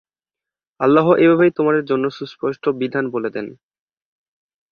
আল্লাহ এভাবেই তোমাদের জন্য সুস্পষ্ট বিধান বলে দেন।